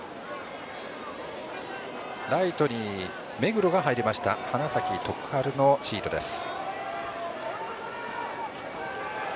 ライトに目黒が入りました花咲徳栄のシートです。